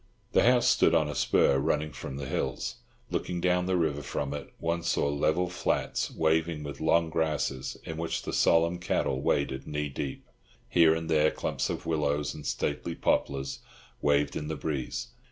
The house stood on a spur running from the hills. Looking down the river from it, one saw level flats waving with long grasses, in which the solemn cattle waded knee deep. Here and there clumps of willows and stately poplars waved in the breeze.